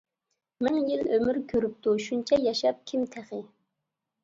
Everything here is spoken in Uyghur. مىڭ يىل ئۆمۈر كۆرۈپتۇ، شۇنچە ياشاپ كىم تېخى.